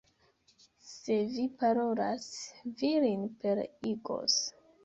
Se vi parolas, vi lin pereigos.